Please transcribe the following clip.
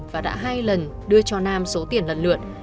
và đã hai lần đưa cho nam số tiền lần lượt